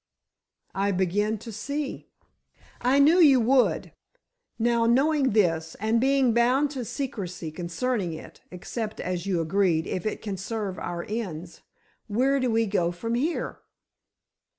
"I begin to see." "I knew you would. Now, knowing this, and being bound to secrecy concerning it, except, as you agreed, if it can serve our ends, where do we go from here?"